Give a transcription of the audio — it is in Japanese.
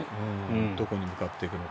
どこへ向かっていくのか。